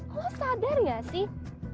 lo sadar gak sih